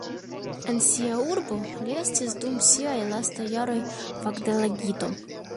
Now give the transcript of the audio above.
En sia urbo li estis dum siaj lastaj jaroj fakdelegito.